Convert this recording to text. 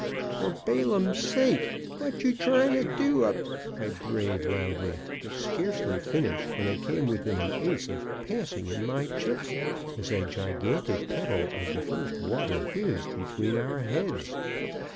"For Balaam's sake! what you trying to do up " I brayed loudly, but scarcely finished when I came within an ace of "passing in my chips," as a gigantic pebble of the first water whizzed between our heads.